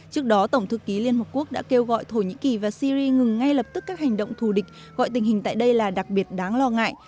trước đó tổng thư ký liên hợp quốc đã kêu gọi thổ nhĩ kỳ và syri ngừng ngay lập tức các hành động thù địch gọi tình hình tại đây là đặc biệt đáng lo ngại